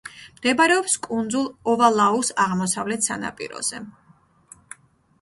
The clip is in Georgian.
მდებარეობს კუნძულ ოვალაუს აღმოსავლეთ სანაპიროზე.